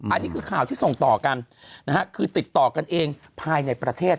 อันนี้คือข่าวที่ส่งต่อกันนะฮะคือติดต่อกันเองภายในประเทศ